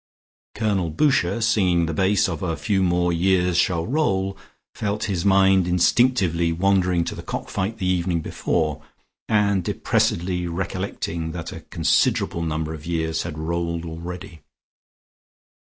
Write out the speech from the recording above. Colonel Boucher singing the bass of "A few more years shall roll," felt his mind instinctively wandering to the cock fight the evening before, and depressedly recollecting that a considerable number of years had rolled already.